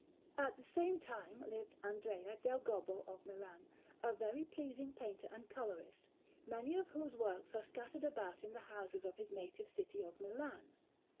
At this same time lived Andrea del Gobbo of Milan, a very pleasing painter and colourist, many of whose works are scattered about in the houses of his native city of Milan.